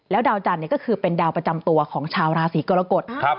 ดาวจันทร์ก็คือเป็นดาวประจำตัวของชาวราศีกรกฎ